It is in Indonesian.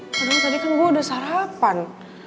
karena tadi kan gue udah sarapan